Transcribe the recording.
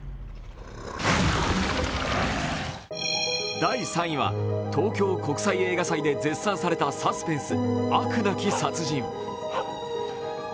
第３位は東京国際映画祭で絶賛されたサスペンス「悪なき殺人」。